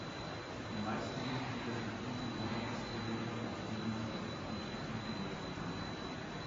Die meisten Mitglieder sind Mieter jener Messegelände, auf denen sie ihre Veranstaltungen durchführen.